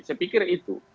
saya pikir itu